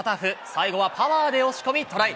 最後はパワーで押し込みトライ！